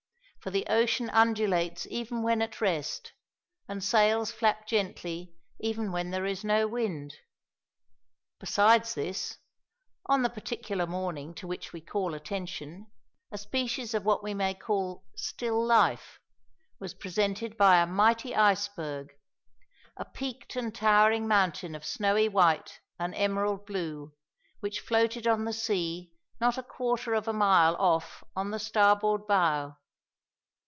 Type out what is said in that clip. for the ocean undulates even when at rest, and sails flap gently even when there is no wind. Besides this, on the particular morning to which we call attention, a species of what we may call "still life" was presented by a mighty iceberg a peaked and towering mountain of snowy white and emerald blue which floated on the sea not a quarter of a mile off on the starboard bow.